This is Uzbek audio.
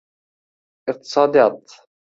Iqtisodiyot